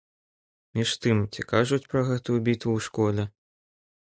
Між тым, ці кажуць пра гэтую бітву ў школе?